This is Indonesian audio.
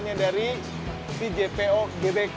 namun tidak ada yang lebih luas dari tempat terdengar